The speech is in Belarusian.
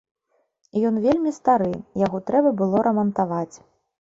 Ён вельмі стары, яго трэба было рамантаваць.